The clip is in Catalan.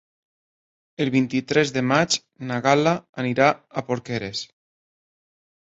El vint-i-tres de maig na Gal·la anirà a Porqueres.